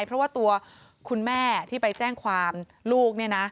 เพราะว่าตัวคุณแม่ที่ไปแจ้งความลูกเนี่ยนะ